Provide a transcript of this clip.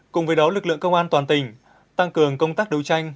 cùng với đó lực lượng công an toàn tỉnh tăng cường công tác đấu tranh